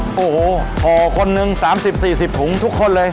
โอ้โหห่อคนนึง๓๐๔๐ถุงทุกคนเลย